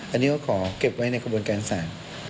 อันนี้ก็ขอเก็บไว้ในกระบวนการศาล